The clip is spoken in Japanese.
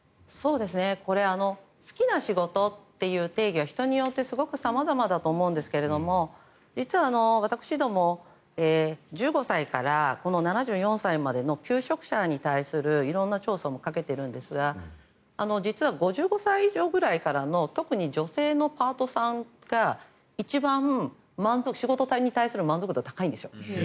これ好きな仕事という定義は人によってすごく様々だと思うんですが実は私ども１５歳から７４歳までの求職者に対する色んな調査もかけているんですが実は５５歳以上くらいからの特に女性のパートさんが一番、仕事に対する満足度が高いんですよ。